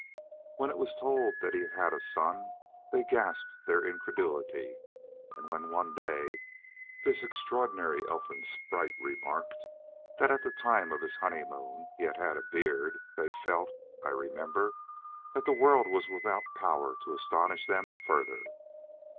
When it was told that he had a son they gasped their incredulity. And when one day this extraordinary elfin sprite remarked that at the time of his honeymoon he had had a beard they felt (I remember) that the world was without power to astonish them further.